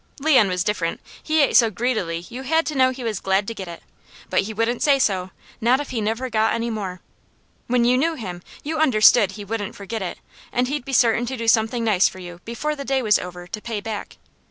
Leon was different. He ate so greedily you had to know he was glad to get it, but he wouldn't say so, not if he never got any more. When you knew him, you understood he wouldn't forget it, and he'd be certain to do something nice for you before the day was over to pay back.